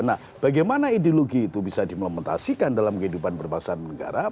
nah bagaimana ideologi itu bisa diimplementasikan dalam kehidupan berbangsaan negara